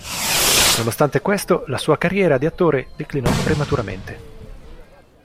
Nonostante questo, la sua carriera di attore declinò prematuramente.